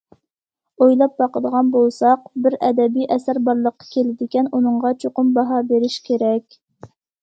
ئويلاپ باقىدىغان بولساق، بىر ئەدەبىي ئەسەر بارلىققا كېلىدىكەن، ئۇنىڭغا چوقۇم باھا بېرىش كېرەك.